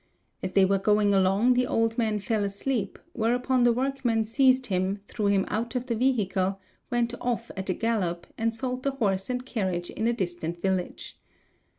As they were going along the old man fell asleep, whereupon the workman seized him, threw him out of the vehicle, went off at a gallop, and sold the horse and carriage in a distant village.